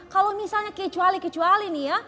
kalau misalnya kecuali kecuali nih ya